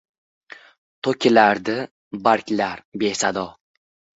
Toʻkiladi barglar besado.